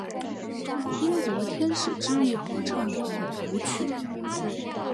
英国天使之翼合唱团谱曲。